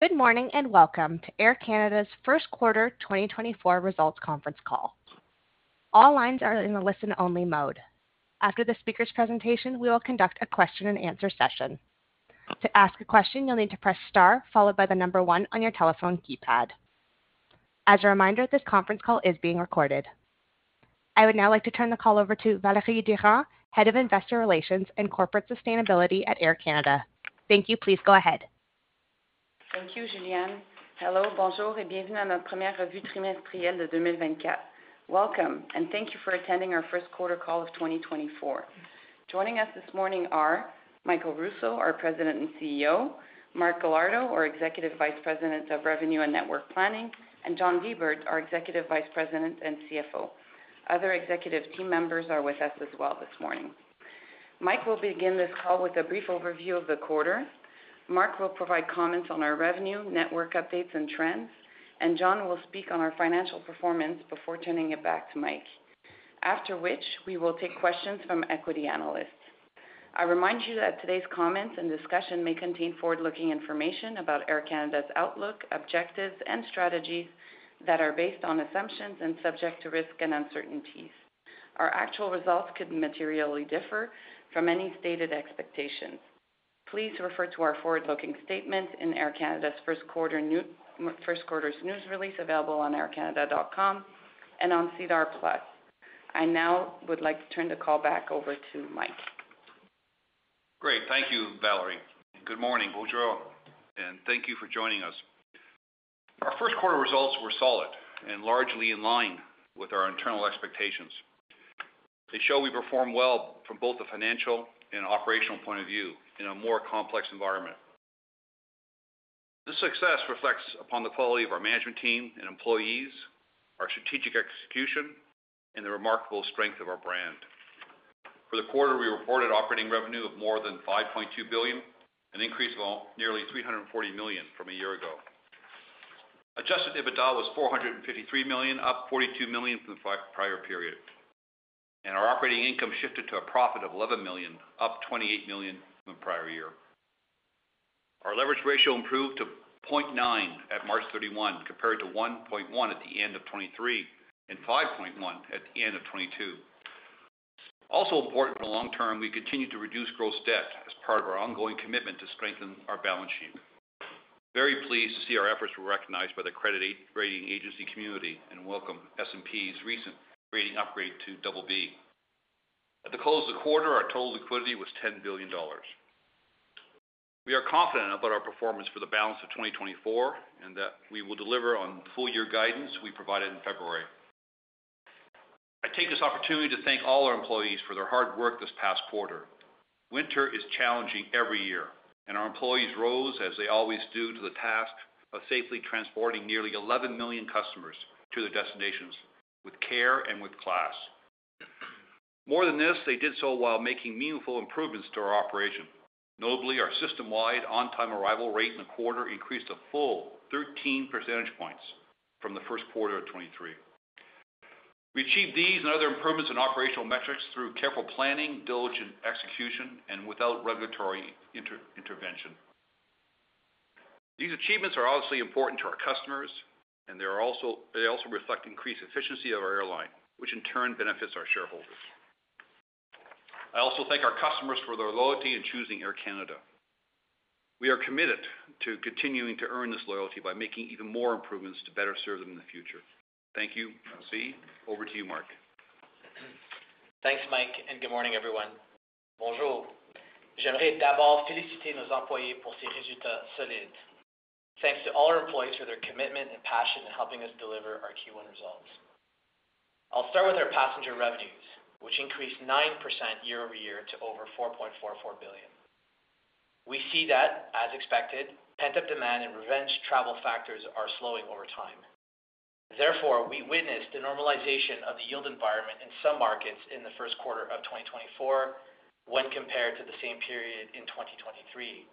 Good morning, and welcome to Air Canada's first quarter 2024 results conference call. All lines are in the listen-only mode. After the speaker's presentation, we will conduct a question and answer session. To ask a question, you'll need to press star, followed by the number one on your telephone keypad. As a reminder, this conference call is being recorded. I would now like to turn the call over to Valerie Durand, Head of Investor Relations and Corporate Sustainability at Air Canada. Thank you. Please go ahead. Thank you, Julianne. Hello, Bonjour, et bienvenue à notre première revue trimestrielle de 2024. Welcome, and thank you for attending our first quarter call of 2024. Joining us this morning are Michael Rousseau, our President and CEO, Mark Galardo, our Executive Vice President of Revenue and Network Planning, and John Di Bert, our Executive Vice President and CFO. Other executive team members are with us as well this morning. Mike will begin this call with a brief overview of the quarter. Mark will provide comments on our revenue, network updates, and trends, and John will speak on our financial performance before turning it back to Mike, after which we will take questions from equity analysts. I remind you that today's comments and discussion may contain forward-looking information about Air Canada's outlook, objectives, and strategies that are based on assumptions and subject to risk and uncertainties. Our actual results could materially differ from any stated expectations. Please refer to our forward-looking statements in Air Canada's first quarter's news release, available on aircanada.com and on SEDAR+. I now would like to turn the call back over to Mike. Great. Thank you, Valerie. Good morning. Bonjour, and thank you for joining us. Our first quarter results were solid and largely in line with our internal expectations. They show we perform well from both a financial and operational point of view in a more complex environment. This success reflects upon the quality of our management team and employees, our strategic execution, and the remarkable strength of our brand. For the quarter, we reported operating revenue of more than 5.2 billion, an increase of nearly 340 million from a year ago. Adjusted EBITDA was 453 million, up 42 million from the prior period, and our operating income shifted to a profit of 11 million, up 28 million from the prior year. Our leverage ratio improved to 0.9 at March 31, compared to 1.1 at the end of 2023 and 5.1 at the end of 2022. Also important in the long term, we continue to reduce gross debt as part of our ongoing commitment to strengthen our balance sheet. Very pleased to see our efforts were recognized by the credit rating agency community and welcome S&P's recent rating upgrade to BB. At the close of the quarter, our total liquidity was 10 billion dollars. We are confident about our performance for the balance of 2024, and that we will deliver on full year guidance we provided in February. I take this opportunity to thank all our employees for their hard work this past quarter. Winter is challenging every year, and our employees rose, as they always do, to the task of safely transporting nearly 11 million customers to their destinations with care and with class. More than this, they did so while making meaningful improvements to our operation. Notably, our system-wide on-time arrival rate in the quarter increased a full 13 percentage points from the first quarter of 2023. We achieved these and other improvements in operational metrics through careful planning, diligent execution, and without regulatory intervention. These achievements are obviously important to our customers, and they are also - they also reflect increased efficiency of our airline, which in turn benefits our shareholders. I also thank our customers for their loyalty in choosing Air Canada. We are committed to continuing to earn this loyalty by making even more improvements to better serve them in the future. Thank you. See, over to you, Mark. Thanks, Mike, and good morning, everyone. Bonjour. J'aimerais d'abord féliciter nos employés pour ces résultats solides. Thanks to all our employees for their commitment and passion in helping us deliver our Q1 results. I'll start with our passenger revenues, which increased 9% year-over-year to over 4.44 billion. We see that, as expected, pent-up demand and revenge travel factors are slowing over time. Therefore, we witnessed a normalization of the yield environment in some markets in the first quarter of 2024 when compared to the same period in 2023.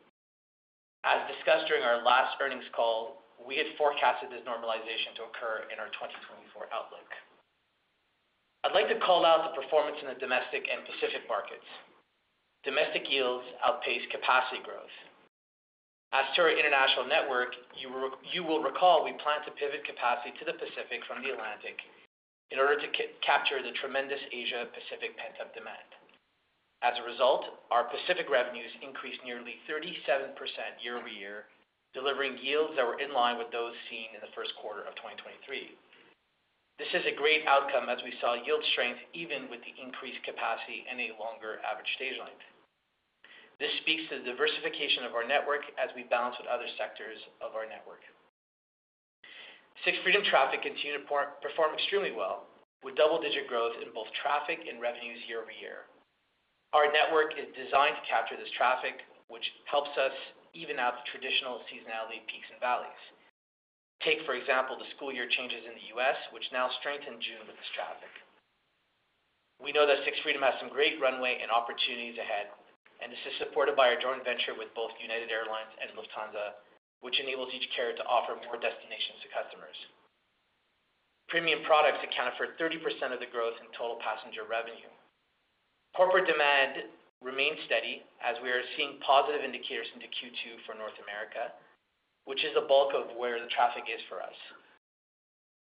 As discussed during our last earnings call, we had forecasted this normalization to occur in our 2024 outlook. I'd like to call out the performance in the domestic and Pacific markets. Domestic yields outpaced capacity growth. As to our international network, you will recall we planned to pivot capacity to the Pacific from the Atlantic in order to capture the tremendous Asia Pacific pent-up demand. As a result, our Pacific revenues increased nearly 37% year-over-year, delivering yields that were in line with those seen in the first quarter of 2023. This is a great outcome as we saw yield strength even with the increased capacity and a longer average stage length. This speaks to the diversification of our network as we balance with other sectors of our network. Sixth Freedom traffic continued to perform extremely well, with double-digit growth in both traffic and revenues year-over-year. Our network is designed to capture this traffic, which helps us even out the traditional seasonality, peaks, and valleys. Take, for example, the school year changes in the U.S., which now strengthen June with this traffic. We know that Sixth Freedom has some great runway and opportunities ahead, and this is supported by our joint venture with both United Airlines and Lufthansa, which enables each carrier to offer more destinations to customers. Premium products accounted for 30% of the growth in total passenger revenue. Corporate demand remains steady as we are seeing positive indicators into Q2 for North America, which is the bulk of where the traffic is for us.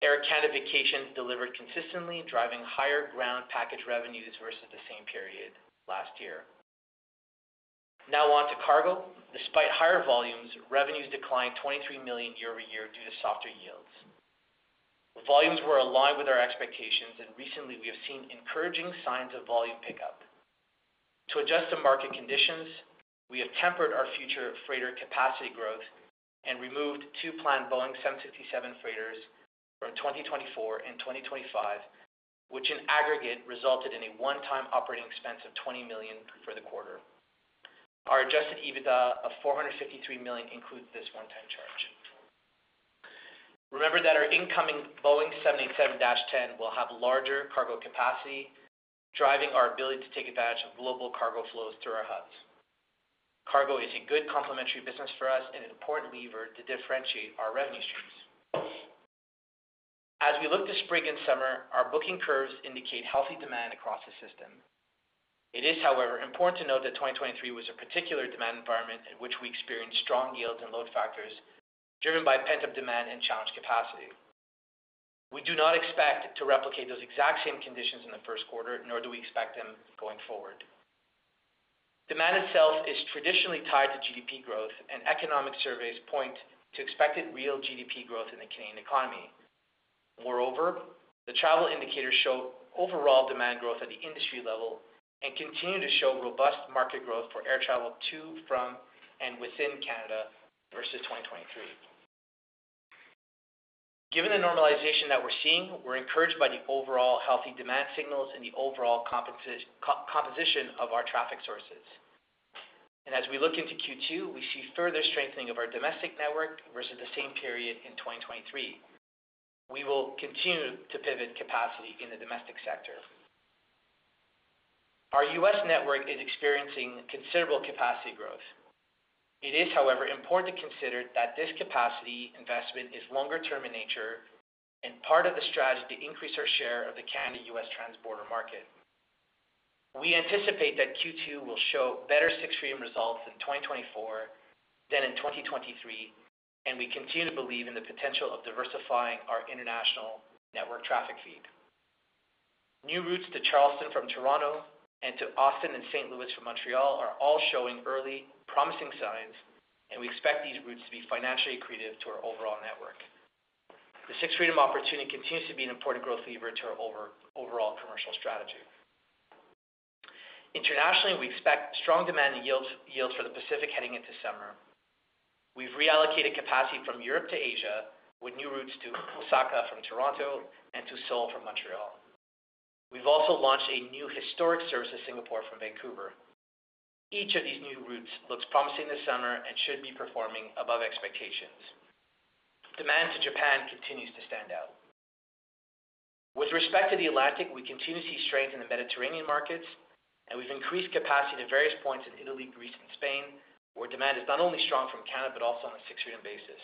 Air Canada Vacations delivered consistently, driving higher ground package revenues versus the same period last year. Now on to cargo. Despite higher volumes, revenues declined 23 million year-over-year due to softer yields. The volumes were aligned with our expectations, and recently we have seen encouraging signs of volume pickup. To adjust to market conditions, we have tempered our future freighter capacity growth and removed two planned Boeing 767 freighters from 2024 and 2025, which in aggregate, resulted in a one-time operating expense of 20 million for the quarter. Our adjusted EBITDA of 453 million includes this one-time charge. Remember that our incoming Boeing 787-10 will have larger cargo capacity, driving our ability to take advantage of global cargo flows through our hubs. Cargo is a good complementary business for us and an important lever to differentiate our revenue streams. As we look to spring and summer, our booking curves indicate healthy demand across the system. It is, however, important to note that 2023 was a particular demand environment in which we experienced strong yields and load factors, driven by pent-up demand and challenged capacity. We do not expect to replicate those exact same conditions in the first quarter, nor do we expect them going forward. Demand itself is traditionally tied to GDP growth, and economic surveys point to expected real GDP growth in the Canadian economy. Moreover, the travel indicators show overall demand growth at the industry level and continue to show robust market growth for air travel to, from, and within Canada versus 2023. Given the normalization that we're seeing, we're encouraged by the overall healthy demand signals and the overall composition of our traffic sources. As we look into Q2, we see further strengthening of our domestic network versus the same period in 2023. We will continue to pivot capacity in the domestic sector. Our U.S. network is experiencing considerable capacity growth. It is, however, important to consider that this capacity investment is longer term in nature and part of the strategy to increase our share of the Canada-U.S. transborder market. We anticipate that Q2 will show better Sixth Freedom results in 2024 than in 2023, and we continue to believe in the potential of diversifying our international network traffic feed. New routes to Charleston from Toronto and to Austin and St. Louis from Montreal are all showing early promising signs, and we expect these routes to be financially accretive to our overall network. The Sixth Freedom opportunity continues to be an important growth lever to our overall commercial strategy. Internationally, we expect strong demand and yields for the Pacific heading into summer. We've reallocated capacity from Europe to Asia, with new routes to Osaka from Toronto and to Seoul from Montreal. We've also launched a new historic service to Singapore from Vancouver. Each of these new routes looks promising this summer and should be performing above expectations. Demand to Japan continues to stand out. With respect to the Atlantic, we continue to see strength in the Mediterranean markets, and we've increased capacity to various points in Italy, Greece, and Spain, where demand is not only strong from Canada, but also on a Sixth Freedom basis.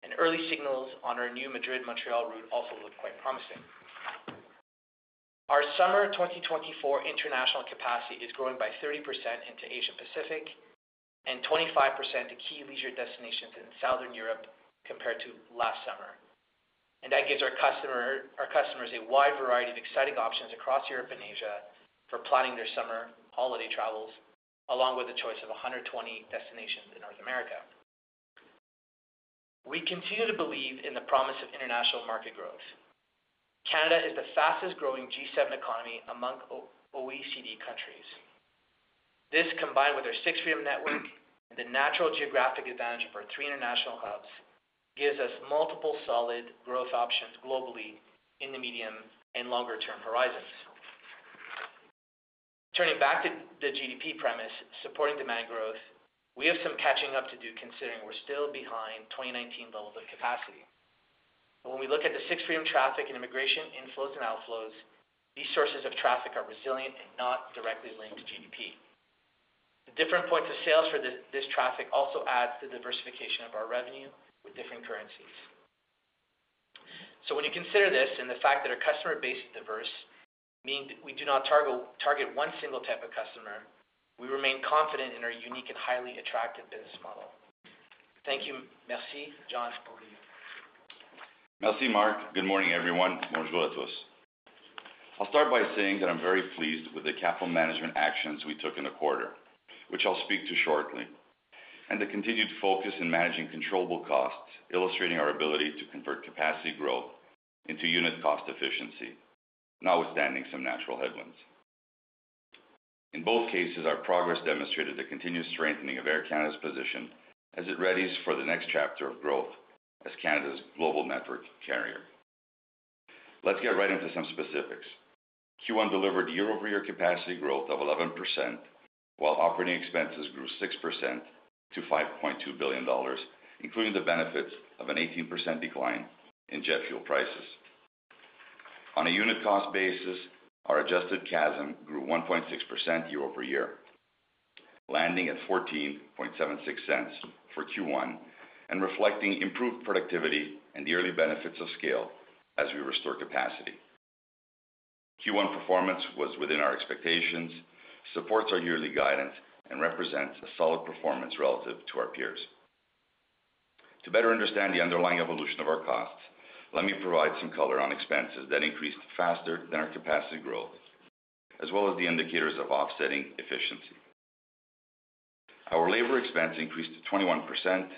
And early signals on our new Madrid-Montreal route also look quite promising. Our summer 2024 international capacity is growing by 30% into Asia Pacific and 25% to key leisure destinations in Southern Europe compared to last summer, and that gives our customer- our customers a wide variety of exciting options across Europe and Asia for planning their summer holiday travels, along with a choice of 120 destinations in North America. We continue to believe in the promise of international market growth. Canada is the fastest growing G7 economy among OECD countries. This, combined with our Sixth Freedom network and the natural geographic advantage of our three international hubs, gives us multiple solid growth options globally in the medium and longer-term horizons. Turning back to the GDP premise, supporting demand growth, we have some catching up to do, considering we're still behind 2019 levels of capacity. But when we look at the Sixth Freedom traffic and immigration inflows and outflows, these sources of traffic are resilient and not directly linked to GDP. The different points of sales for this, this traffic also adds to the diversification of our revenue with different currencies. When you consider this and the fact that our customer base is diverse, meaning we do not target, target one single type of customer, we remain confident in our unique and highly attractive business model. Thank you. Merci, John Di Bert. Merci, Mark. Good morning, everyone. I'll start by saying that I'm very pleased with the capital management actions we took in the quarter, which I'll speak to shortly, and the continued focus in managing controllable costs, illustrating our ability to convert capacity growth into unit cost efficiency, notwithstanding some natural headwinds. In both cases, our progress demonstrated the continued strengthening of Air Canada's position as it readies for the next chapter of growth as Canada's global network carrier. Let's get right into some specifics. Q1 delivered year-over-year capacity growth of 11%, while operating expenses grew 6% to 5.2 billion dollars, including the benefits of an 18% decline in jet fuel prices. On a unit cost basis, our adjusted CASM grew 1.6% year-over-year, landing at 14.76 for Q1, and reflecting improved productivity and the early benefits of scale as we restore capacity. Q1 performance was within our expectations, supports our yearly guidance, and represents a solid performance relative to our peers. To better understand the underlying evolution of our costs, let me provide some color on expenses that increased faster than our capacity growth, as well as the indicators of offsetting efficiency. Our labor expense increased to 21%,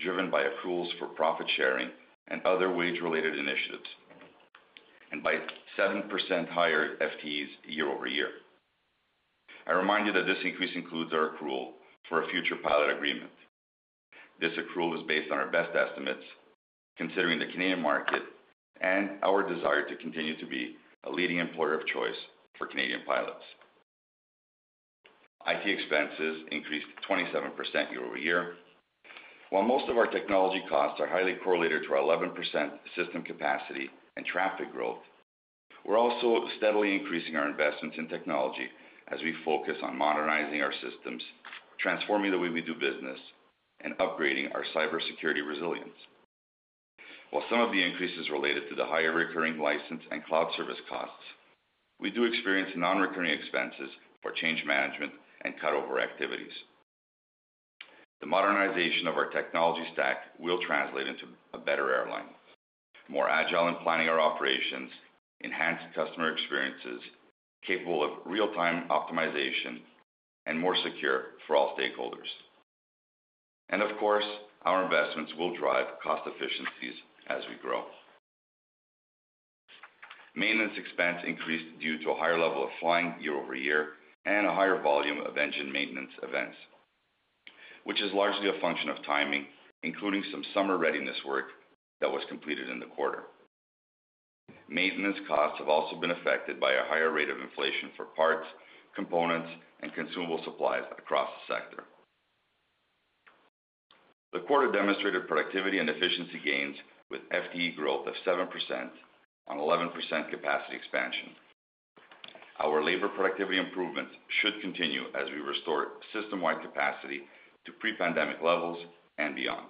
driven by accruals for profit sharing and other wage-related initiatives, and by 7% higher FTEs year-over-year. I remind you that this increase includes our accrual for a future pilot agreement. This accrual was based on our best estimates, considering the Canadian market and our desire to continue to be a leading employer of choice for Canadian pilots. IT expenses increased 27% year-over-year. While most of our technology costs are highly correlated to our 11% system capacity and traffic growth, we're also steadily increasing our investments in technology as we focus on modernizing our systems, transforming the way we do business, and upgrading our cybersecurity resilience. While some of the increase is related to the higher recurring license and cloud service costs, we do experience non-recurring expenses for change management and cut-over activities. The modernization of our technology stack will translate into a better airline, more agile in planning our operations, enhanced customer experiences, capable of real-time optimization, and more secure for all stakeholders. Of course, our investments will drive cost efficiencies as we grow. Maintenance expense increased due to a higher level of flying year-over-year and a higher volume of engine maintenance events, which is largely a function of timing, including some summer readiness work that was completed in the quarter. Maintenance costs have also been affected by a higher rate of inflation for parts, components, and consumable supplies across the sector. The quarter demonstrated productivity and efficiency gains with FTE growth of 7% on 11% capacity expansion. Our labor productivity improvements should continue as we restore system-wide capacity to pre-pandemic levels and beyond.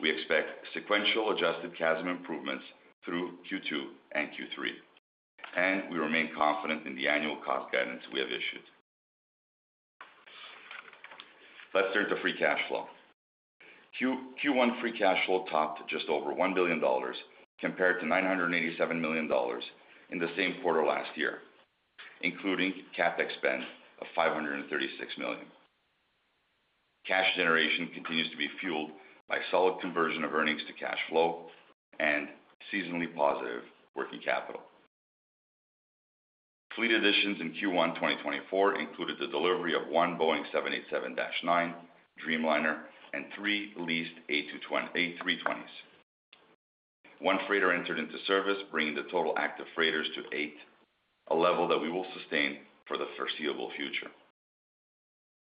We expect sequential adjusted CASM improvements through Q2 and Q3, and we remain confident in the annual cost guidance we have issued. Let's turn to free cash flow. Q1 free cash flow topped just over 1 billion dollars, compared to 987 million dollars in the same quarter last year, including CapEx spend of 536 million. Cash generation continues to be fueled by solid conversion of earnings to cash flow and seasonally positive working capital. Fleet additions in Q1 2024 included the delivery of one Boeing 787-9 Dreamliner and three leased A320s. One freighter entered into service, bringing the total active freighters to eight, a level that we will sustain for the foreseeable future.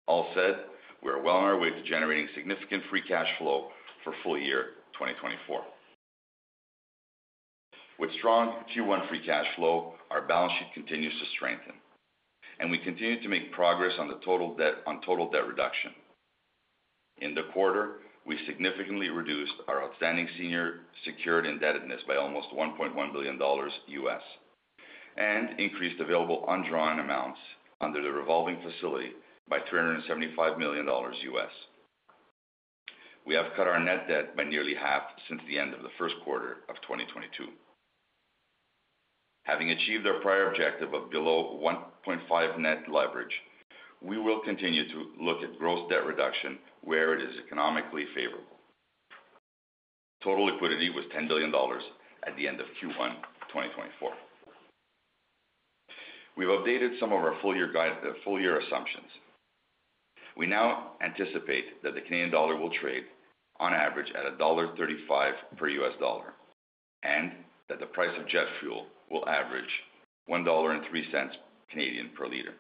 All said, we are well on our way to generating significant free cash flow for full year 2024. With strong Q1 free cash flow, our balance sheet continues to strengthen, and we continue to make progress on total debt reduction. In the quarter, we significantly reduced our outstanding senior secured indebtedness by almost $1.1 billion, and increased available undrawn amounts under the revolving facility by $375 million. We have cut our net debt by nearly half since the end of the first quarter of 2022. Having achieved our prior objective of below 1.5 net leverage, we will continue to look at gross debt reduction where it is economically favorable. Total liquidity was 10 billion dollars at the end of Q1 2024. We've updated some of our full year guide, full year assumptions. We now anticipate that the Canadian dollar will trade on average at dollar 1.35 per U.S. dollar, and that the price of jet fuel will average 1.03 Canadian dollars per liter.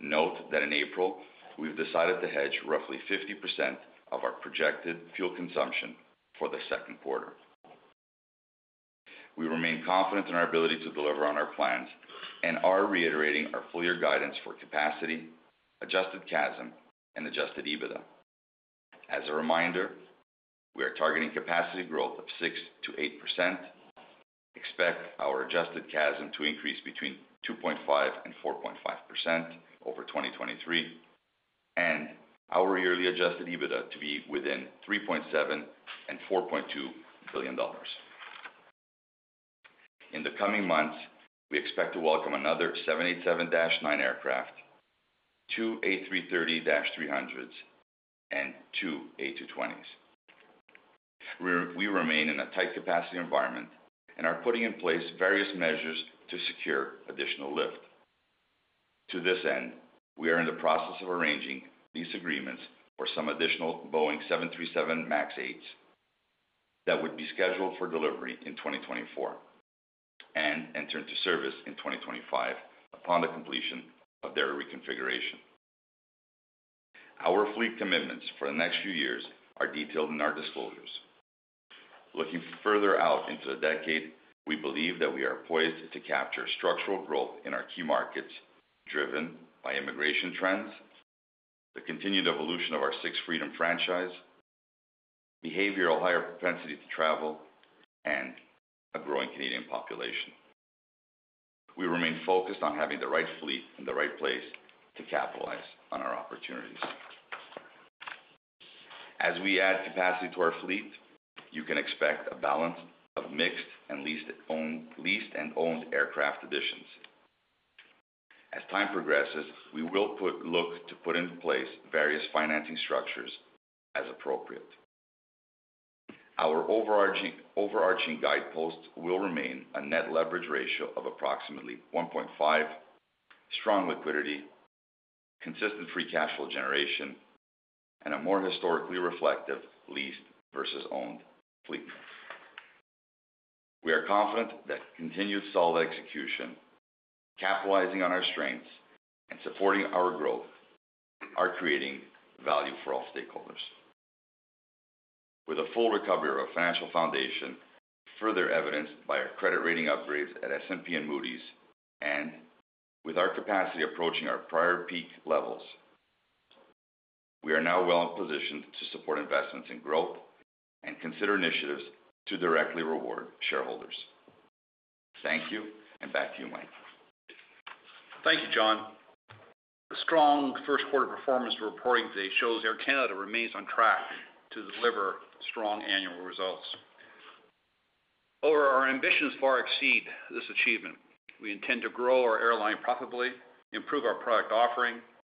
Note that in April, we've decided to hedge roughly 50% of our projected fuel consumption for the second quarter. We remain confident in our ability to deliver on our plans and are reiterating our full year guidance for capacity, adjusted CASM, and adjusted EBITDA. As a reminder, we are targeting capacity growth of 6%-8%, expect our adjusted CASM to increase between 2.5% and 4.5% over 2023, and our yearly adjusted EBITDA to be within 3.7 billion and 4.2 billion dollars. In the coming months, we expect to welcome another 787-9 aircraft, two A330-300s, and two A220s. We remain in a tight capacity environment and are putting in place various measures to secure additional lift. To this end, we are in the process of arranging these agreements for some additional Boeing 737 MAX 8s that would be scheduled for delivery in 2024 and enter into service in 2025 upon the completion of their reconfiguration. Our fleet commitments for the next few years are detailed in our disclosures. Looking further out into the decade, we believe that we are poised to capture structural growth in our key markets, driven by immigration trends, the continued evolution of our Sixth Freedom franchise, behavioral higher propensity to travel, and a growing Canadian population. We remain focused on having the right fleet in the right place to capitalize on our opportunities. As we add capacity to our fleet, you can expect a balance of mixed and leased, owned, leased and owned aircraft additions. As time progresses, we will look to put in place various financing structures as appropriate. Our overarching guideposts will remain a net leverage ratio of approximately 1.5, strong liquidity, consistent free cash flow generation, and a more historically reflective leased versus owned fleet mix. We are confident that continued solid execution, capitalizing on our strengths and supporting our growth, are creating value for all stakeholders. With a full recovery of our financial foundation, further evidenced by our credit rating upgrades at S&P and Moody's, and with our capacity approaching our prior peak levels, we are now well positioned to support investments in growth and consider initiatives to directly reward shareholders. Thank you, and back to you, Mike. Thank you, John. The strong first quarter performance we're reporting today shows Air Canada remains on track to deliver strong annual results. However, our ambitions far exceed this achievement. We intend to grow our airline profitably, improve our product offering,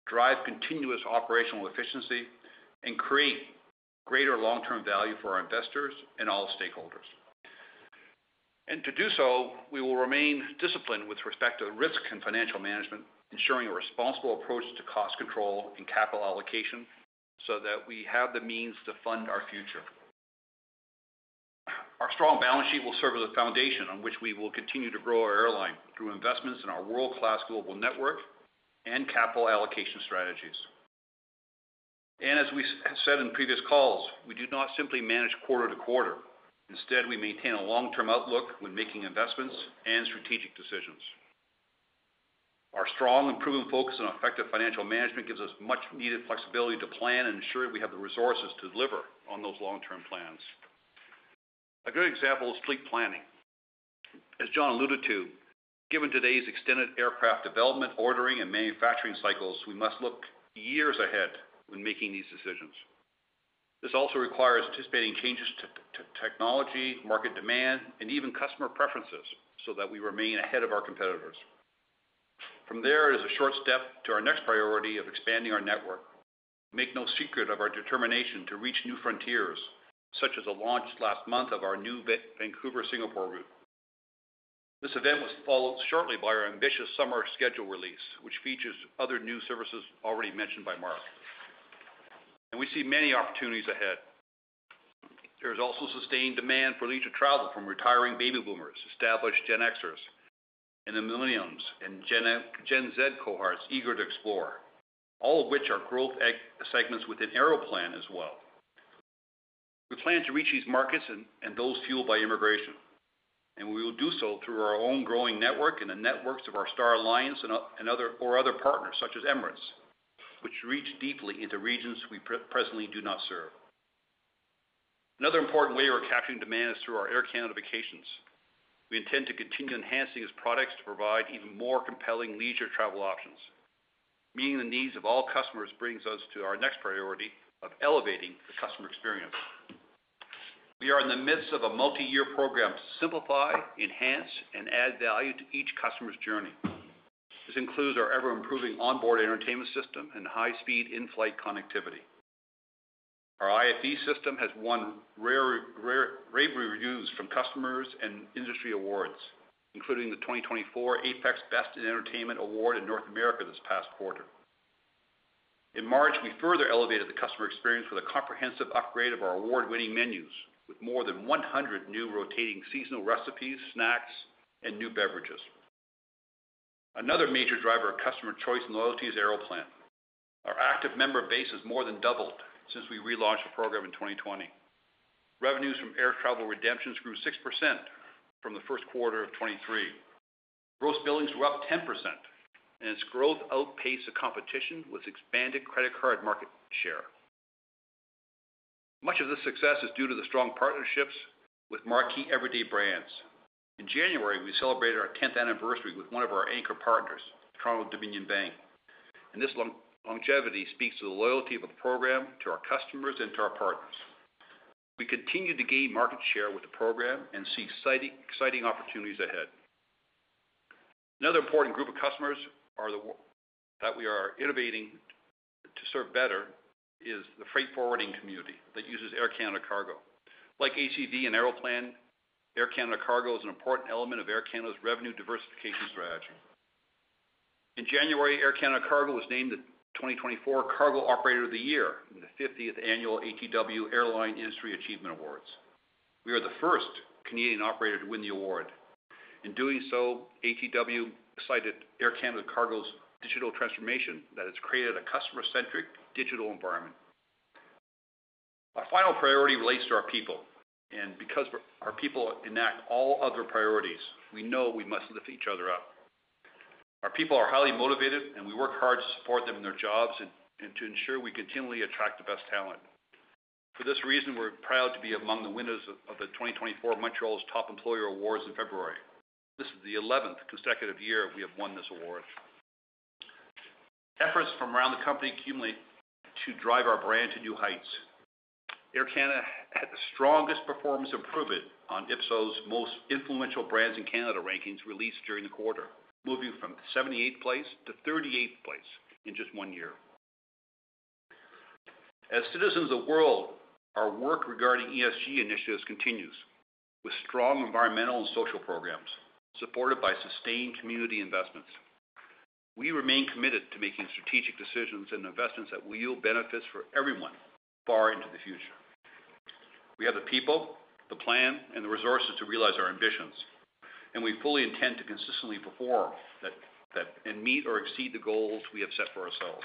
drive continuous operational efficiency, and create greater long-term value for our investors and all stakeholders. And to do so, we will remain disciplined with respect to risk and financial management, ensuring a responsible approach to cost control and capital allocation so that we have the means to fund our future. Our strong balance sheet will serve as a foundation on which we will continue to grow our airline through investments in our world-class global network and capital allocation strategies. And as we said in previous calls, we do not simply manage quarter to quarter. Instead, we maintain a long-term outlook when making investments and strategic decisions. Our strong and proven focus on effective financial management gives us much needed flexibility to plan and ensure we have the resources to deliver on those long-term plans. A good example is fleet planning. As John alluded to, given today's extended aircraft development, ordering, and manufacturing cycles, we must look years ahead when making these decisions. This also requires anticipating changes to technology, market demand, and even customer preferences so that we remain ahead of our competitors. From there, it is a short step to our next priority of expanding our network. We make no secret of our determination to reach new frontiers, such as the launch last month of our new Vancouver, Singapore route. This event was followed shortly by our ambitious summer schedule release, which features other new services already mentioned by Mark, and we see many opportunities ahead. There is also sustained demand for leisure travel from retiring baby boomers, established Gen Xers and the Millennials and Gen Z cohorts eager to explore, all of which are growth age segments within Aeroplan as well. We plan to reach these markets and those fueled by immigration, and we will do so through our own growing network and the networks of our Star Alliance and our other partners, such as Emirates, which reach deeply into regions we presently do not serve. Another important way we're capturing demand is through our Air Canada Vacations. We intend to continue enhancing these products to provide even more compelling leisure travel options. Meeting the needs of all customers brings us to our next priority of elevating the customer experience. We are in the midst of a multi-year program to simplify, enhance, and add value to each customer's journey. This includes our ever-improving onboard entertainment system and high-speed in-flight connectivity. Our IFE system has won rave reviews from customers and industry awards, including the 2024 APEX Best in Entertainment award in North America this past quarter. In March, we further elevated the customer experience with a comprehensive upgrade of our award-winning menus, with more than 100 new rotating seasonal recipes, snacks, and new beverages. Another major driver of customer choice and loyalty is Aeroplan. Our active member base has more than doubled since we relaunched the program in 2020. Revenues from air travel redemptions grew 6% from the first quarter of 2023. Gross billings were up 10%, and its growth outpaced the competition with expanded credit card market share. Much of this success is due to the strong partnerships with marquee everyday brands. In January, we celebrated our 10th anniversary with one of our anchor partners, Toronto-Dominion Bank, and this longevity speaks to the loyalty of the program, to our customers, and to our partners. We continue to gain market share with the program and see exciting, exciting opportunities ahead. Another important group of customers that we are innovating to serve better is the freight forwarding community that uses Air Canada Cargo. Like ACV and Aeroplan, Air Canada Cargo is an important element of Air Canada's revenue diversification strategy. In January, Air Canada Cargo was named the 2024 Cargo Operator of the Year in the 50th annual ATW Airline Industry Achievement Awards. We are the first Canadian operator to win the award. In doing so, ATW cited Air Canada Cargo's digital transformation, that it's created a customer-centric digital environment. Our final priority relates to our people, and because our people enact all other priorities, we know we must lift each other up. Our people are highly motivated, and we work hard to support them in their jobs and to ensure we continually attract the best talent. For this reason, we're proud to be among the winners of the 2024 Montreal's Top Employer Awards in February. This is the 11th consecutive year we have won this award. Efforts from around the company accumulate to drive our brand to new heights. Air Canada had the strongest performance improvement on Ipsos's Most Influential Brands in Canada rankings released during the quarter, moving from 78th place to 38th place in just one year. As citizens of the world, our work regarding ESG initiatives continues, with strong environmental and social programs, supported by sustained community investments. We remain committed to making strategic decisions and investments that will yield benefits for everyone far into the future. We have the people, the plan, and the resources to realize our ambitions, and we fully intend to consistently perform that and meet or exceed the goals we have set for ourselves.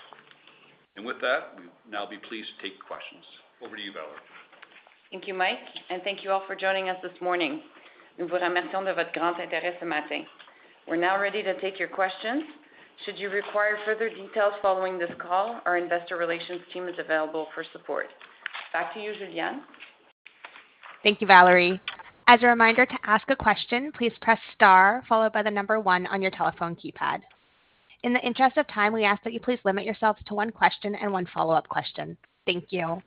With that, we'd now be pleased to take questions. Over to you, Valerie. Thank you, Mike, and thank you all for joining us this morning. We're now ready to take your questions. Should you require further details following this call, our investor relations team is available for support. Back to you, Julianne. Thank you, Valerie. As a reminder, to ask a question, please press star followed by the number one on your telephone keypad. In the interest of time, we ask that you please limit yourselves to one question and one follow-up question. Thank you.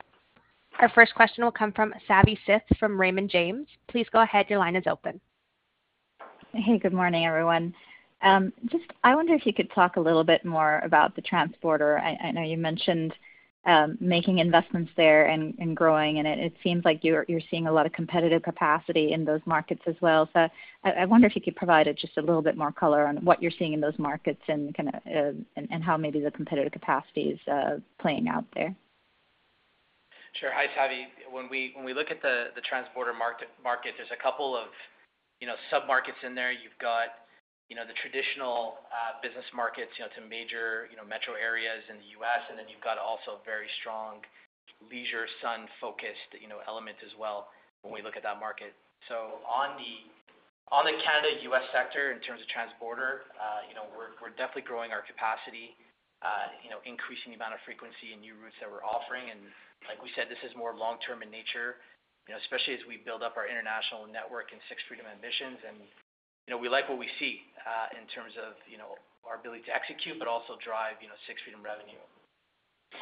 Our first question will come from Savi Syth from Raymond James. Please go ahead. Your line is open. Hey, good morning, everyone. Just I wonder if you could talk a little bit more about the transborder. I, I know you mentioned making investments there and, and growing, and it, it seems like you're, you're seeing a lot of competitive capacity in those markets as well. So I, I wonder if you could provide just a little bit more color on what you're seeing in those markets and kind of, and, and how maybe the competitive capacity is playing out there. Sure. Hi, Savi. When we look at the transborder market, there's a couple of, you know, submarkets in there. You've got, you know, the traditional, business markets, you know, to major, you know, metro areas in the U.S., and then you've got also very strong leisure, sun-focused, you know, elements as well, when we look at that market. So on the Canada-U.S. sector, in terms of transborder, you know, we're definitely growing our capacity, you know, increasing the amount of frequency and new routes that we're offering. And like we said, this is more long-term in nature, you know, especially as we build up our international network and Sixth Freedom ambitions. And, you know, we like what we see, in terms of, you know, our ability to execute, but also drive, you know, Sixth Freedom revenue.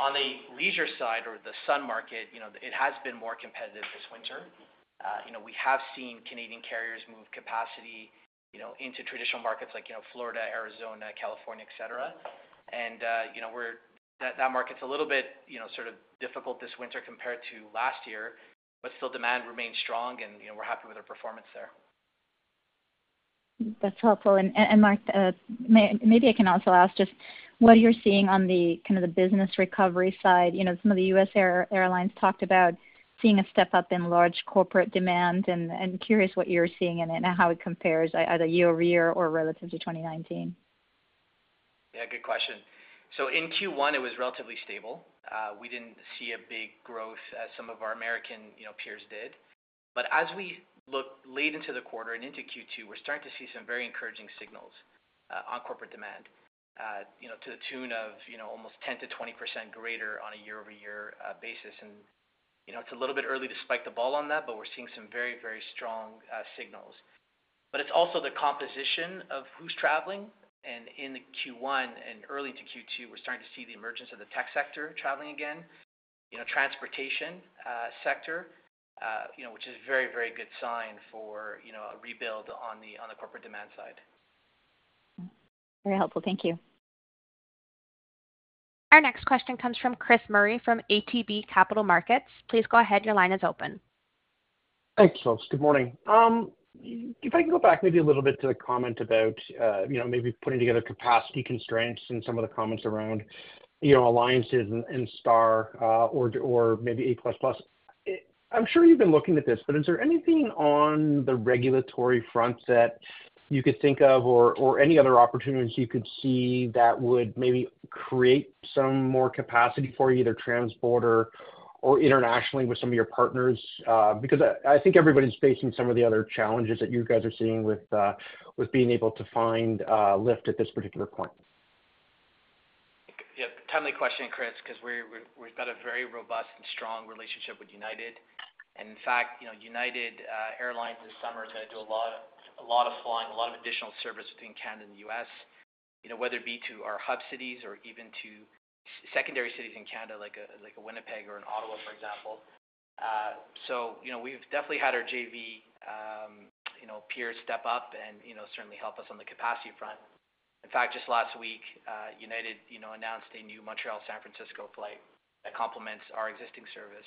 On the leisure side or the sun market, you know, it has been more competitive this winter. You know, we have seen Canadian carriers move capacity, you know, into traditional markets like, you know, Florida, Arizona, California, et cetera. And, you know, we're - that market's a little bit, you know, sort of difficult this winter compared to last year, but still demand remains strong, and, you know, we're happy with our performance there. That's helpful. And Mark, maybe I can also ask just what you're seeing on the kind of the business recovery side. You know, some of the U.S. airlines talked about seeing a step up in large corporate demand, and curious what you're seeing in it and how it compares either year-over-year or relative to 2019. Yeah, good question. So in Q1, it was relatively stable. We didn't see a big growth as some of our American, you know, peers did. But as we look late into the quarter and into Q2, we're starting to see some very encouraging signals on corporate demand, you know, to the tune of, you know, almost 10%-20% greater on a year-over-year basis. And, you know, it's a little bit early to spike the ball on that, but we're seeing some very, very strong signals. But it's also the composition of who's traveling, and in the Q1 and early into Q2, we're starting to see the emergence of the tech sector traveling again, you know, transportation sector, you know, which is a very, very good sign for, you know, a rebuild on the, on the corporate demand side. Very helpful. Thank you. Our next question comes from Chris Murray from ATB Capital Markets. Please go ahead. Your line is open. Thanks, folks. Good morning. If I can go back maybe a little bit to the comment about, you know, maybe putting together capacity constraints and some of the comments around, you know, alliances and, and Star, or, or maybe A++. I'm sure you've been looking at this, but is there anything on the regulatory front that you could think of, or, or any other opportunities you could see that would maybe create some more capacity for you, either transborder or internationally with some of your partners? Because I think everybody's facing some of the other challenges that you guys are seeing with, with being able to find lift at this particular point. Yeah, timely question, Chris, 'cause we're, we've got a very robust and strong relationship with United. And in fact, you know, United Airlines this summer is going to do a lot of, a lot of flying, a lot of additional service between Canada and the U.S., you know, whether it be to our hub cities or even to secondary cities in Canada, like a, like a Winnipeg or an Ottawa, for example. So you know, we've definitely had our JV, you know, peers step up and, you know, certainly help us on the capacity front. In fact, just last week, United, you know, announced a new Montreal, San Francisco flight that complements our existing service.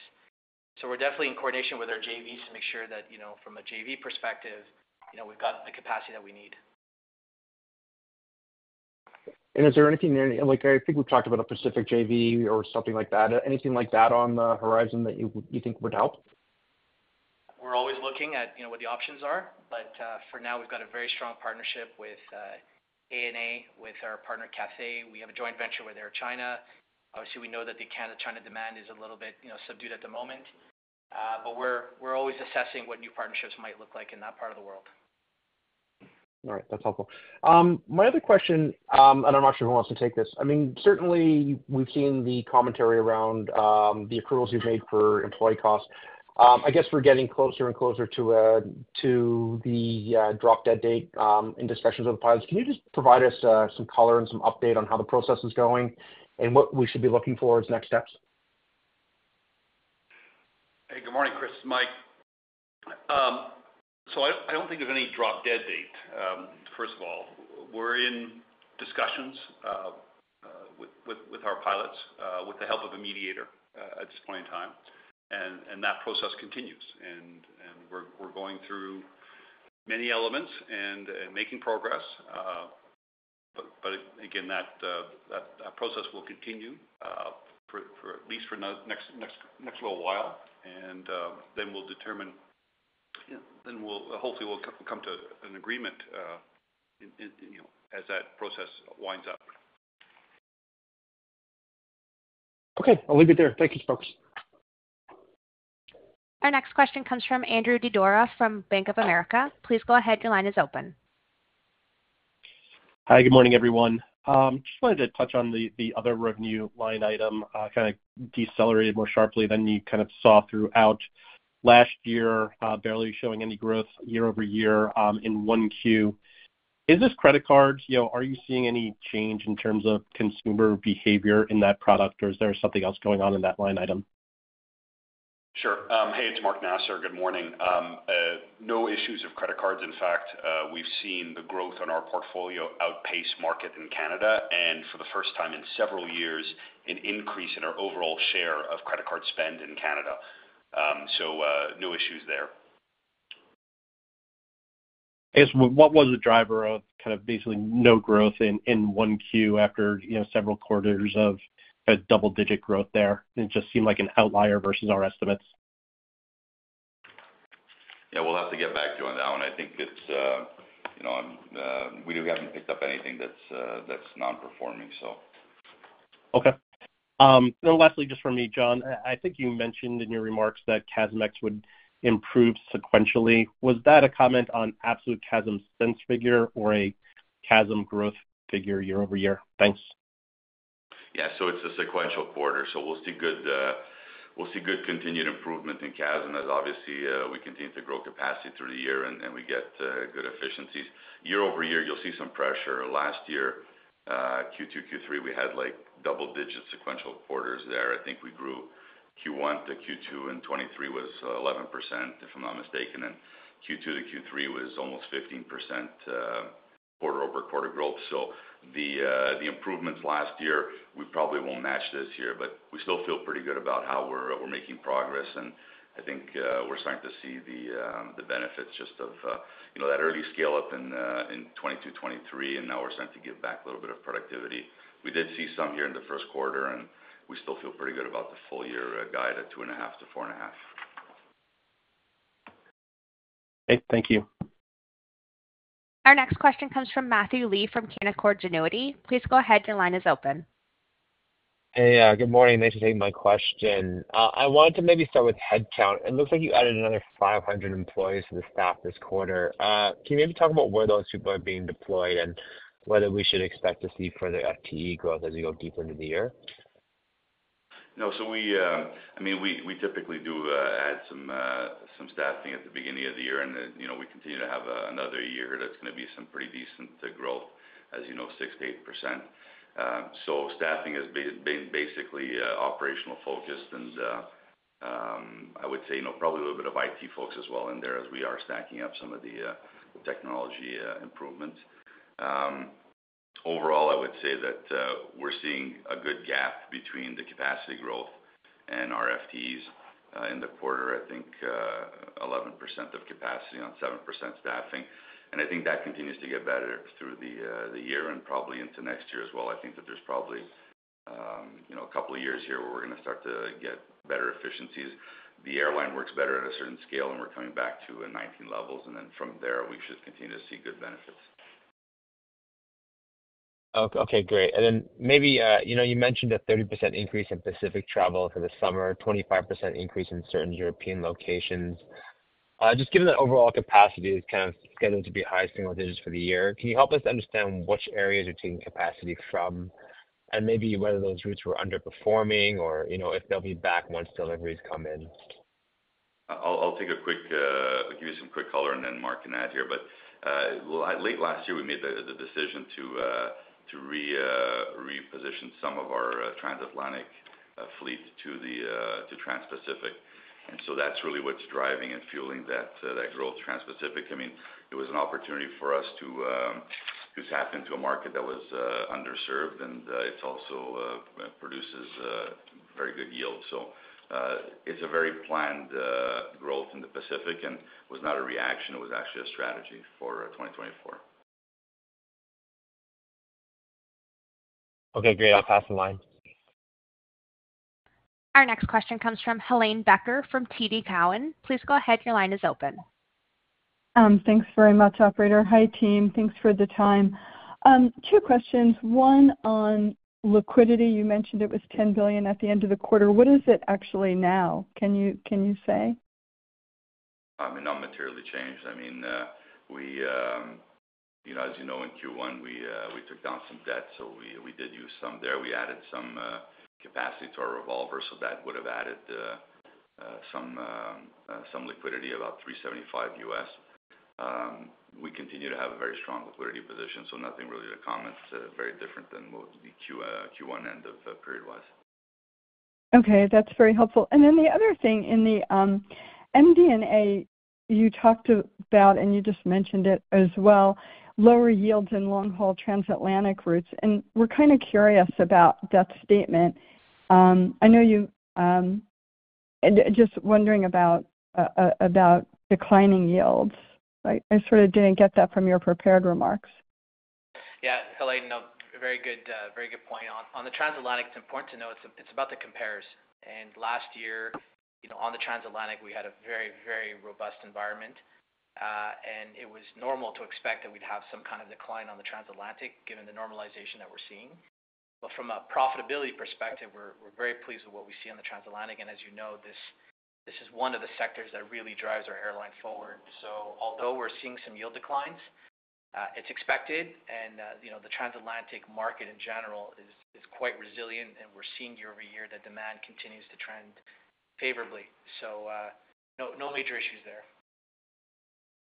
So we're definitely in coordination with our JVs to make sure that, you know, from a JV perspective, you know, we've got the capacity that we need. And is there anything there, like I think we've talked about a Pacific JV or something like that? Anything like that on the horizon that you would—you think would help? We're always looking at, you know, what the options are, but, for now, we've got a very strong partnership with, ANA, with our partner, Cathay. We have a joint venture with Air China. Obviously, we know that the Canada-China demand is a little bit, you know, subdued at the moment, but we're always assessing what new partnerships might look like in that part of the world. All right. That's helpful. My other question, and I'm not sure who wants to take this. I mean, certainly we've seen the commentary around the accruals you've made for employee costs. I guess we're getting closer and closer to the drop dead date in discussions with the pilots. Can you just provide us some color and some update on how the process is going and what we should be looking for as next steps? Hey, good morning, Chris. Mike. So I don't think there's any drop dead date. First of all, we're in discussions with our pilots with the help of a mediator at this point in time, and that process continues. And we're going through many elements and making progress. But again, that process will continue for at least next little while. And then we'll determine, then we'll hopefully we'll come to an agreement, you know, as that process winds up. Okay. I'll leave it there. Thank you, folks. Our next question comes from Andrew Didora from Bank of America. Please go ahead. Your line is open. Hi, good morning, everyone. Just wanted to touch on the other revenue line item, kind of decelerated more sharply than you kind of saw throughout last year, barely showing any growth year-over-year, in 1Q. Is this credit card? You know, are you seeing any change in terms of consumer behavior in that product, or is there something else going on in that line item? Sure. Hey, it's Mark Nasr. Good morning. No issues of credit cards. In fact, we've seen the growth on our portfolio outpace market in Canada, and for the first time in several years, an increase in our overall share of credit card spend in Canada. So, no issues there. I guess, what was the driver of kind of basically no growth in, in 1Q after, you know, several quarters of a double-digit growth there? It just seemed like an outlier versus our estimates. Yeah, we'll have to get back to you on that one. I think it's, you know, we haven't picked up anything that's, that's non-performing, so. Okay. Then lastly, just for me, John, I think you mentioned in your remarks that CASM ex would improve sequentially. Was that a comment on absolute CASM sense figure or a CASM growth figure year-over-year? Thanks. Yeah, so it's a sequential quarter, so we'll see good, we'll see good continued improvement in CASM as obviously, we continue to grow capacity through the year and, and we get, good efficiencies. Year-over-year, you'll see some pressure. Last year, Q2, Q3, we had, like, double-digit sequential quarters there. I think we grew Q1 to Q2, and 2023 was 11%, if I'm not mistaken, and Q2 to Q3 was almost 15%, quarter-over-quarter growth. So the, the improvements last year, we probably won't match this year, but we still feel pretty good about how we're, we're making progress. And I think, we're starting to see the, the benefits just of, you know, that early scale up in, in 2022, 2023, and now we're starting to give back a little bit of productivity. We did see some here in the first quarter, and we still feel pretty good about the full year guide at 2.5-4.5. Okay, thank you. Our next question comes from Matthew Lee, from Canaccord Genuity. Please go ahead. Your line is open. Hey, good morning. Thanks for taking my question. I wanted to maybe start with headcount. It looks like you added another 500 employees to the staff this quarter. Can you maybe talk about where those people are being deployed and whether we should expect to see further FTE growth as we go deeper into the year? No, so we, I mean, we typically do add some staffing at the beginning of the year, and then, you know, we continue to have another year that's gonna be some pretty decent growth, as you know, 6%-8%. So staffing has been basically operational focused and, I would say, you know, probably a little bit of IT folks as well in there as we are stacking up some of the technology improvements. Overall, I would say that, we're seeing a good gap between the capacity growth and our FTEs in the quarter. I think, 11% of capacity on 7% staffing, and I think that continues to get better through the year and probably into next year as well. I think that there's probably, you know, a couple of years here where we're going to start to get better efficiencies. The airline works better at a certain scale, and we're coming back to 2019 levels, and then from there, we should continue to see good benefits. Okay, great. Then maybe, you know, you mentioned a 30% increase in Pacific travel for the summer, 25% increase in certain European locations. Just given that overall capacity is kind of scheduled to be high single digits for the year, can you help us understand which areas you're taking capacity from? And maybe whether those routes were underperforming or, you know, if they'll be back once deliveries come in. I'll give you some quick color, and then Mark can add here. But well, late last year, we made the decision to reposition some of our transatlantic fleet to the Transpacific. And so that's really what's driving and fueling that growth, Transpacific. I mean, it was an opportunity for us to tap into a market that was underserved, and it's also produces very good yields. So, it's a very planned growth in the Pacific and was not a reaction. It was actually a strategy for 2024. Okay, great. I'll pass the line. Our next question comes from Helane Becker, from TD Cowen. Please go ahead. Your line is open. Thanks very much, operator. Hi, team. Thanks for the time. Two questions. One on liquidity. You mentioned it was 10 billion at the end of the quarter. What is it actually now? Can you say? I mean, not materially changed. I mean, we, you know, as you know, in Q1, we, we took down some debt, so we, we did use some there. We added some capacity to our revolver, so that would have added some some liquidity, about $375. We continue to have a very strong liquidity position, so nothing really to comment very different than what the Q, Q1 end of the period was. Okay, that's very helpful. And then the other thing in the MD&A, you talked about, and you just mentioned it as well, lower yields in long-haul transatlantic routes, and we're kind of curious about that statement. I know you and just wondering about declining yields. I sort of didn't get that from your prepared remarks. Yeah, Helane, no, very good, very good point. On, on the transatlantic, it's important to note, it's, it's about the compares, and last year, you know, on the transatlantic, we had a very, very robust environment. And it was normal to expect that we'd have some kind of decline on the transatlantic, given the normalization that we're seeing. But from a profitability perspective, we're, we're very pleased with what we see on the transatlantic, and as you know, this, this is one of the sectors that really drives our airline forward. So although we're seeing some yield declines, it's expected, and, you know, the transatlantic market, in general, is, is quite resilient, and we're seeing year over year that demand continues to trend favorably. So, no, no major issues there.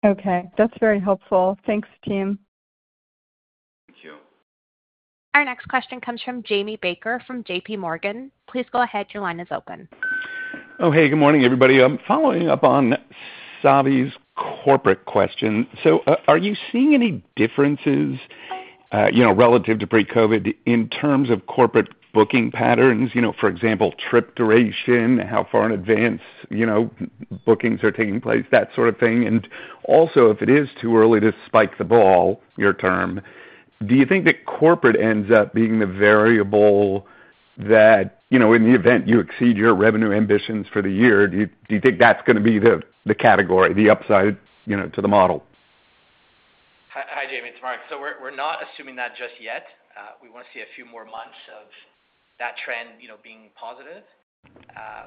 Okay. That's very helpful. Thanks, team. Thank you. Our next question comes from Jamie Baker from JPMorgan. Please go ahead. Your line is open. Oh, hey, good morning, everybody. I'm following up on Savi's corporate question. So, are you seeing any differences, you know, relative to pre-COVID in terms of corporate booking patterns? You know, for example, trip duration, how far in advance, you know, bookings are taking place, that sort of thing. And also, if it is too early to spike the ball, your term, do you think that corporate ends up being the variable that, you know, in the event you exceed your revenue ambitions for the year, do you, do you think that's gonna be the, the category, the upside, you know, to the model? Hi, Jamie, it's Mark. So we're not assuming that just yet. We want to see a few more months of that trend, you know, being positive.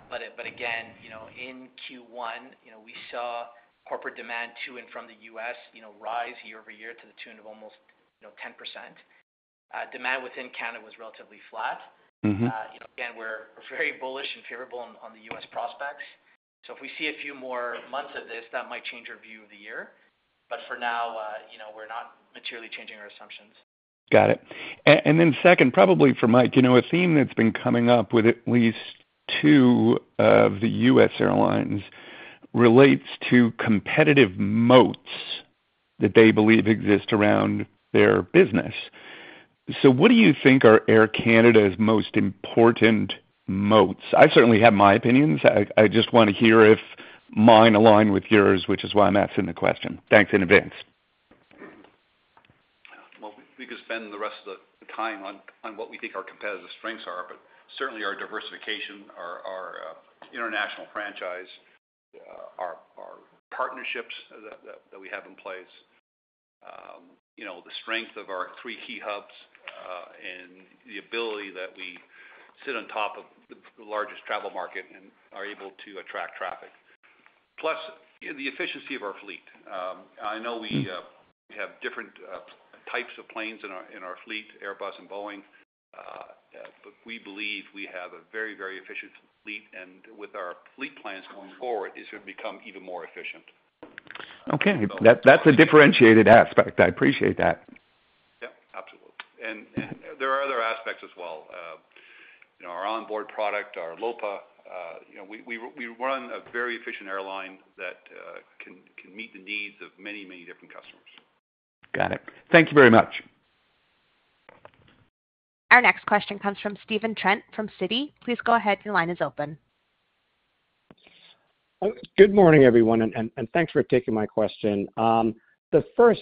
But again, you know, in Q1, you know, we saw corporate demand to and from the U.S., you know, rise year-over-year to the tune of almost, you know, 10%. Demand within Canada was relatively flat. Mm-hmm. You know, again, we're very bullish and favorable on the U.S. prospects. So if we see a few more months of this, that might change our view of the year, but for now, you know, we're not materially changing our assumptions. Got it. And then second, probably for Mike, you know, a theme that's been coming up with at least two of the U.S. airlines relates to competitive moats that they believe exist around their business. So what do you think are Air Canada's most important moats? I certainly have my opinions. I just want to hear if mine align with yours, which is why I'm asking the question. Thanks in advance. Well, we could spend the rest of the time on what we think our competitive strengths are, but certainly our diversification, our international franchise, our partnerships that we have in place. You know, the strength of our three key hubs, and the ability that we sit on top of the largest travel market and are able to attract traffic. Plus, the efficiency of our fleet. I know we have different types of planes in our fleet, Airbus and Boeing, but we believe we have a very, very efficient fleet, and with our fleet plans going forward, it's going to become even more efficient. Okay. That, that's a differentiated aspect. I appreciate that. Yep, absolutely. And there are other aspects as well. You know, our onboard product, our LOPA, you know, we run a very efficient airline that can meet the needs of many, many different customers. Got it. Thank you very much. Our next question comes from Steven Trent, from Citi. Please go ahead. Your line is open. Good morning, everyone, and thanks for taking my question. The first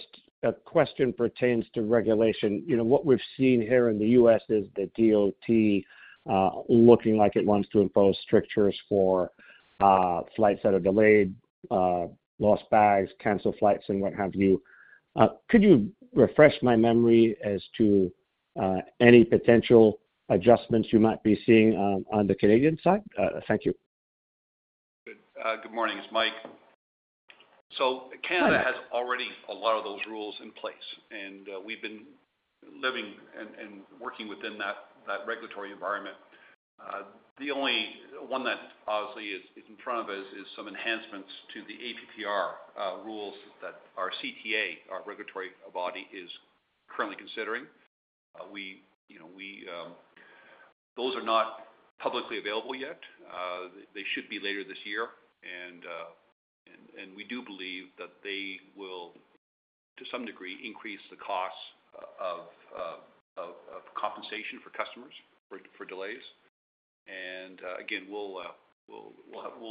question pertains to regulation. You know, what we've seen here in the U.S. is the DOT looking like it wants to impose strictures for flights that are delayed, lost bags, canceled flights, and what have you. Could you refresh my memory as to any potential adjustments you might be seeing on the Canadian side? Thank you. Good morning. It's Mike. So Canada has already a lot of those rules in place, and we've been living and working within that regulatory environment. The only one that obviously is in front of us is some enhancements to the APPR rules that our CTA, our regulatory body, is currently considering. We, you know... Those are not publicly available yet. They should be later this year, and we do believe that they will, to some degree, increase the costs of compensation for customers for delays. And again, we'll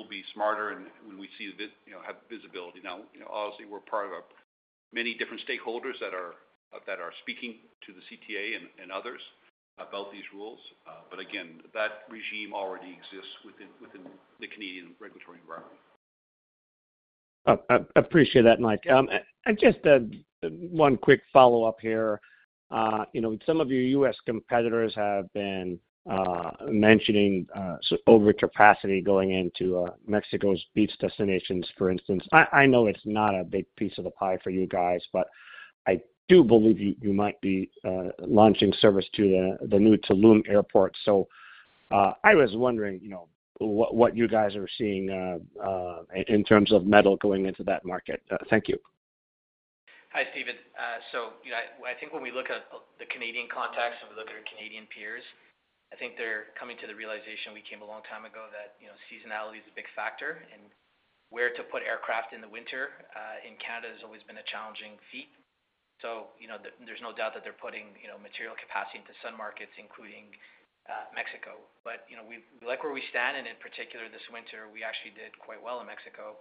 be smarter and when we see the visibility. You know, have visibility. Now, you know, obviously, we're part of many different stakeholders that are speaking to the CTA and others about these rules. But again, that regime already exists within the Canadian regulatory environment. I appreciate that, Mike. Just one quick follow-up here. You know, some of your U.S. competitors have been mentioning overcapacity going into Mexico's beach destinations, for instance. I know it's not a big piece of the pie for you guys, but I do believe you might be launching service to the new Tulum Airport. I was wondering, you know, what you guys are seeing in terms of metal going into that market? Thank you. Hi, Steven. So, you know, I think when we look at the Canadian context, when we look at our Canadian peers, I think they're coming to the realization we came a long time ago that, you know, seasonality is a big factor, and where to put aircraft in the winter in Canada has always been a challenging feat. So, you know, there's no doubt that they're putting, you know, material capacity into sun markets, including Mexico. But, you know, we like where we stand, and in particular, this winter, we actually did quite well in Mexico.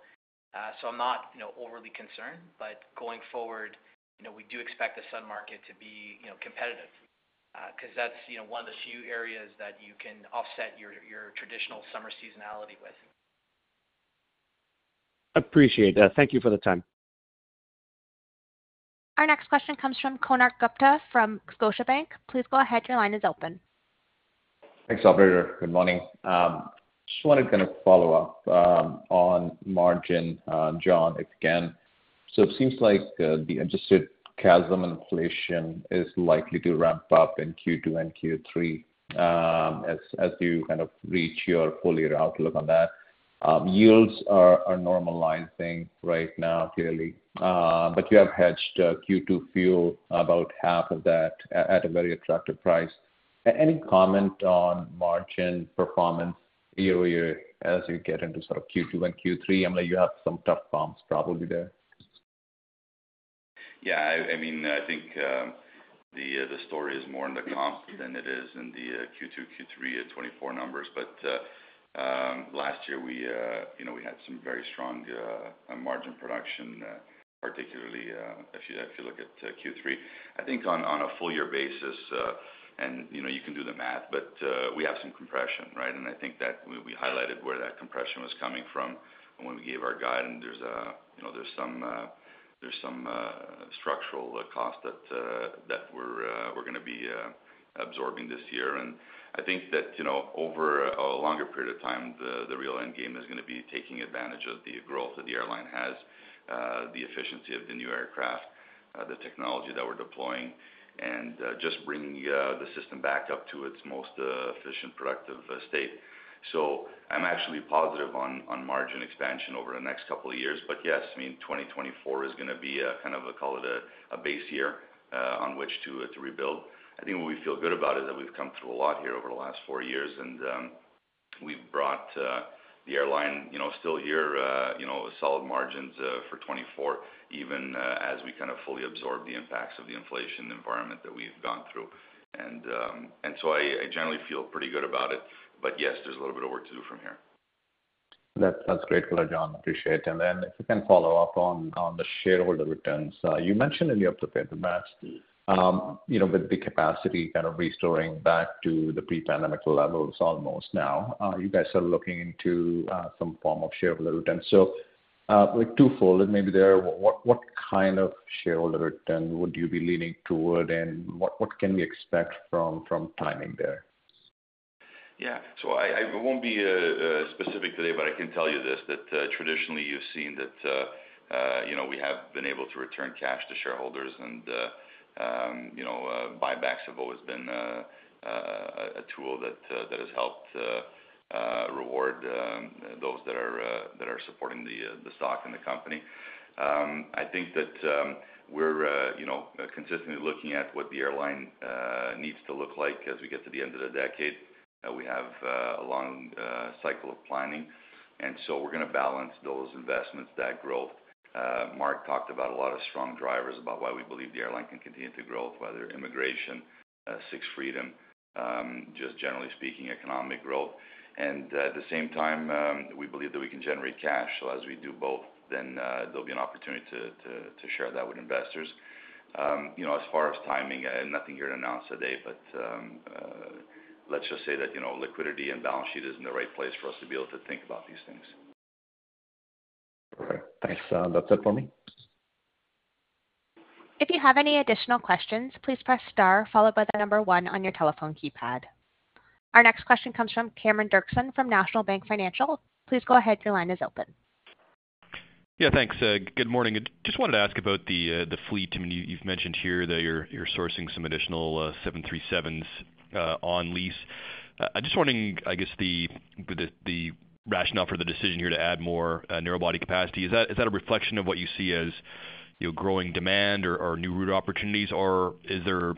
So I'm not, you know, overly concerned, but going forward, you know, we do expect the sun market to be, you know, competitive, 'cause that's, you know, one of the few areas that you can offset your traditional summer seasonality with. Appreciate that. Thank you for the time. Our next question comes from Konark Gupta from Scotiabank. Please go ahead, your line is open. Thanks, operator. Good morning. Just wanted to kind of follow up on margin, John, again. So it seems like the adjusted CASM inflation is likely to ramp up in Q2 and Q3, as you kind of reach your full-year outlook on that. Yields are normalizing right now, clearly, but you have hedged Q2 fuel about half of that at a very attractive price. Any comment on margin performance year-over-year as you get into sort of Q2 and Q3? I mean, you have some tough comps probably there. Yeah, I mean, I think the story is more in the comp than it is in the Q2, Q3 at 2024 numbers. But last year, we, you know, we had some very strong margin production, particularly if you, if you look at Q3. I think on a full year basis, and you know, you can do the math, but we have some compression, right? And I think that we, we highlighted where that compression was coming from when we gave our guide, and there's, you know, there's some, there's some structural cost that, that we're, we're gonna be absorbing this year. I think that, you know, over a longer period of time, the real end game is gonna be taking advantage of the growth that the airline has, the efficiency of the new aircraft, the technology that we're deploying, and just bringing the system back up to its most efficient, productive state. So I'm actually positive on margin expansion over the next couple of years. But yes, I mean, 2024 is gonna be a kind of a, call it a base year on which to rebuild. I think what we feel good about is that we've come through a lot here over the last four years, and we've brought the airline, you know, still here, you know, with solid margins for 2024, even as we kind of fully absorb the impacts of the inflation environment that we've gone through. And and so I generally feel pretty good about it. But yes, there's a little bit of work to do from here. That's, that's great, John. Appreciate it. And then if you can follow up on, on the shareholder returns. You mentioned in the update that, you know, with the capacity kind of restoring back to the pre-pandemic levels almost now, you guys are looking into, some form of shareholder return. So, like twofold, and maybe there, what, what kind of shareholder return would you be leaning toward, and what, what can we expect from, from timing there? Yeah. So I won't be specific today, but I can tell you this, that traditionally, you've seen that, you know, we have been able to return cash to shareholders and, you know, buybacks have always been a tool that has helped reward those that are supporting the stock and the company. I think that we're, you know, consistently looking at what the airline needs to look like as we get to the end of the decade. We have a long cycle of planning, and so we're gonna balance those investments, that growth. Mark talked about a lot of strong drivers about why we believe the airline can continue to grow, whether immigration, Sixth Freedom, just generally speaking, economic growth. At the same time, we believe that we can generate cash. As we do both, then, there'll be an opportunity to share that with investors. You know, as far as timing, nothing here to announce today, but, let's just say that, you know, liquidity and balance sheet is in the right place for us to be able to think about these things. Okay. Thanks. That's it for me. If you have any additional questions, please press star followed by the number one on your telephone keypad. Our next question comes from Cameron Doerksen from National Bank Financial. Please go ahead. Your line is open. Yeah, thanks. Good morning. Just wanted to ask about the fleet. I mean, you, you've mentioned here that you're sourcing some additional 737s on lease. I just wondering, I guess, the rationale for the decision here to add more narrow body capacity. Is that a reflection of what you see as, you know, growing demand or new route opportunities? Or is there,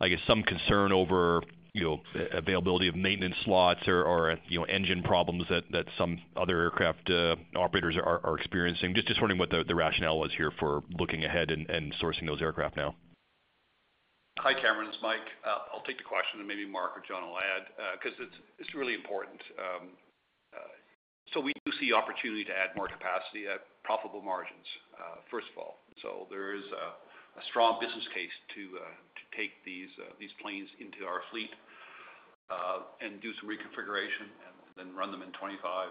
I guess, some concern over, you know, availability of maintenance slots or engine problems that some other aircraft operators are experiencing? Just wondering what the rationale was here for looking ahead and sourcing those aircraft now. Hi, Cameron, it's Mike. I'll take the question, and maybe Mark or John will add, 'cause it's really important. So we do see opportunity to add more capacity at profitable margins, first of all. So there is a strong business case to take these planes into our fleet, and do some reconfiguration and then run them in 25.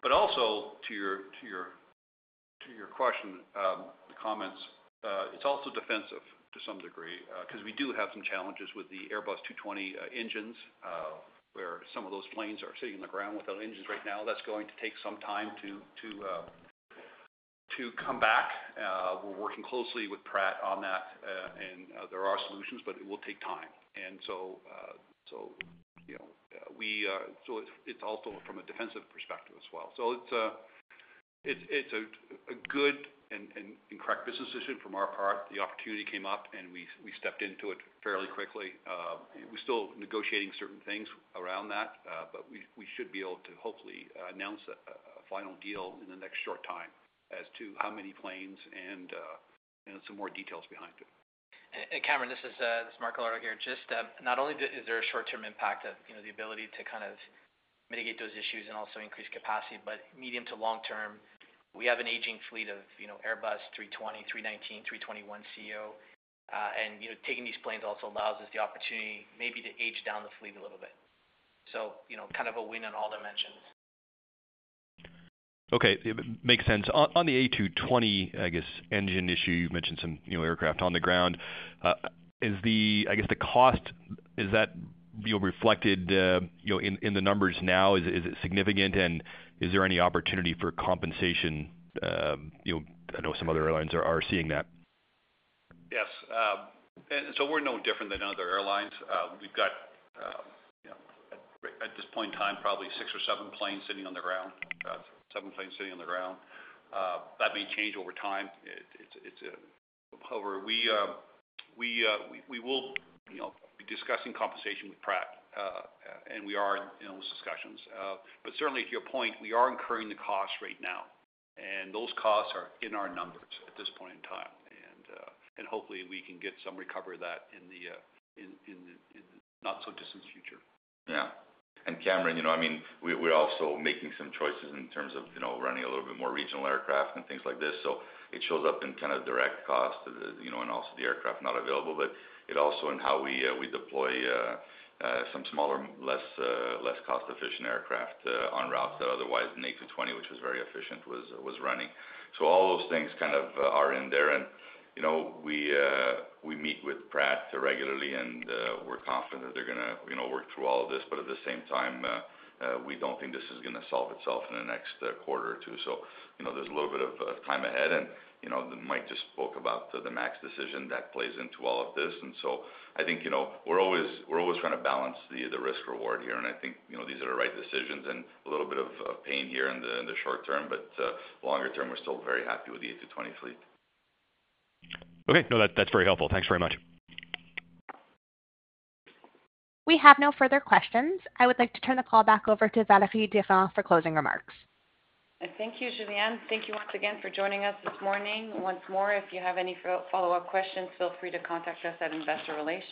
But also, to your question, the comments, it's also defensive to some degree, 'cause we do have some challenges with the Airbus A220 engines, where some of those planes are sitting on the ground without engines right now. That's going to take some time to come back. We're working closely with Pratt on that, and there are solutions, but it will take time. So, you know, it's also from a defensive perspective as well. So it's a good and correct business decision from our part. The opportunity came up, and we stepped into it fairly quickly. We're still negotiating certain things around that, but we should be able to hopefully announce a final deal in the next short time as to how many planes and some more details behind it. Cameron, this is Mark Galardo here. Just, not only is there a short-term impact of, you know, the ability to kind of mitigate those issues and also increase capacity, but medium- to long-term, we have an aging fleet of, you know, Airbus A320, A319, A321ceo. And, you know, taking these planes also allows us the opportunity maybe to age down the fleet a little bit. So, you know, kind of a win on all dimensions. Okay, it makes sense. On the A220, I guess, engine issue, you've mentioned some, you know, aircraft on the ground. Is the cost, I guess, reflected, you know, in the numbers now? Is it significant, and is there any opportunity for compensation? You know, I know some other airlines are seeing that. Yes, and so we're no different than other airlines. We've got, you know, at this point in time, probably six or seven planes sitting on the ground. Seven planes sitting on the ground. That may change over time. However, we will, you know, be discussing compensation with Pratt, and we are in, you know, those discussions. But certainly, to your point, we are incurring the costs right now, and those costs are in our numbers at this point in time. And hopefully we can get some recovery of that in the not so distant future. Yeah. And Cameron, you know, I mean, we're also making some choices in terms of, you know, running a little bit more regional aircraft and things like this. So it shows up in kind of direct cost, you know, and also the aircraft not available. But it also in how we deploy some smaller, less cost-efficient aircraft on routes that otherwise an A220, which was very efficient, was running. So all those things kind of are in there. And, you know, we meet with Pratt regularly, and we're confident that they're gonna, you know, work through all of this. But at the same time, we don't think this is gonna solve itself in the next quarter or two. So, you know, there's a little bit of time ahead and, you know, Mike just spoke about the MAX decision that plays into all of this. And so I think, you know, we're always trying to balance the risk reward here, and I think, you know, these are the right decisions and a little bit of pain here in the short term. But longer term, we're still very happy with the A220 fleet. Okay. No, that, that's very helpful. Thanks very much. We have no further questions. I would like to turn the call back over to Valerie Durand for closing remarks. Thank you, Julianne. Thank you once again for joining us this morning. Once more, if you have any follow-up questions, feel free to contact us at Investor Relations.